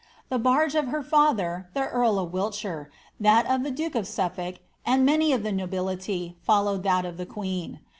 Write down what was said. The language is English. The barge of her father, the earl of Wiltshire, that of the duke of Suflblk, and many of the nobility, followed that of the queen.